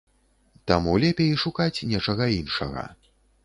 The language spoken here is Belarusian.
Таму лепей шукаць нечага іншага.